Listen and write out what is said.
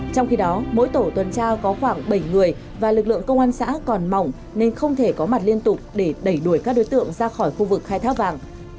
trong khi đó mỗi tổ tuần tra có khoảng bảy người và lực lượng công an xã còn mỏng nên không thể có mặt liên tục để đẩy đuổi các đối tượng ra khỏi khu vực khai thác vàng